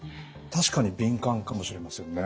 確かに敏感かもしれませんね。